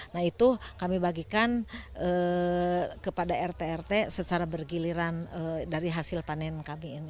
nah itu kami bagikan kepada rt rt secara bergiliran dari hasil panen kami ini